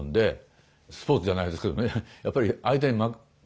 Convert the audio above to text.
スポーツじゃないですけどね